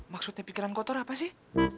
maksudnya pikiran kotor apa sih